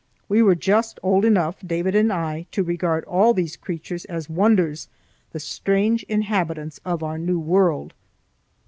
We were just old enough, David and I, to regard all these creatures as wonders, the strange inhabitants of our new world.